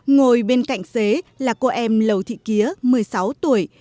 ngồi bên cạnh xế là cô em lầu thị kýa một mươi sáu tuổi